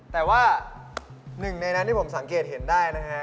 แต่ว่าหนึ่งในนั้นที่ผมสังเกตเห็นได้นะฮะ